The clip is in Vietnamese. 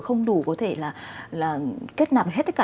không đủ có thể là kết nạp hết tất cả